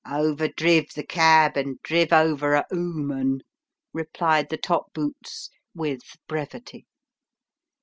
" Over driv the cab, and driv over a "ooman," replied the top boots, with brevity.